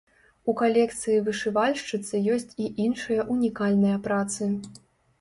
У калекцыі вышывальшчыцы ёсць і іншыя унікальныя працы.